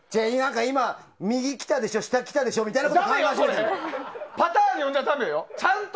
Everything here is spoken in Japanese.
今右来たでしょ下来たでしょみたいな。